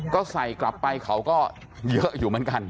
ก็ใส่กลับไปเขาก็เยอะอยู่เหมือนกัน